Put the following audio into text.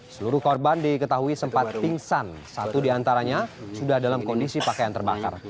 seluruh korban diketahui sempat pingsan satu diantaranya sudah dalam kondisi pakaian terbakar